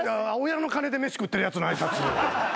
親の金で飯食ってるやつの挨拶。